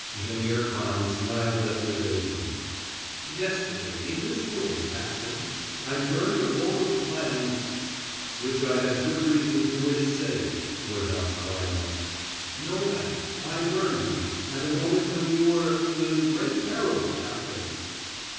Jaimihr Khan smiled at the evasion. "Yesterday in this room, Cap tain, I burned a roll of plans " "Which I had good reason to wish saved," Woodhouse caught him up. "No matter; I burned them at a moment when you were in great peril, Cap tain."